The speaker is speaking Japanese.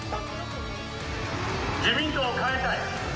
自民党を変えたい。